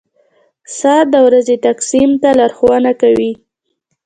• ساعت د ورځې تقسیم ته لارښوونه کوي.